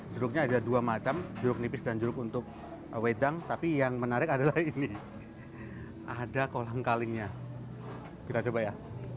jeruknya ada dua macam jeruk nipis dan jeruk untuk wedang tapi yang menarik adalah ini ada kolang kalingnya kita coba ya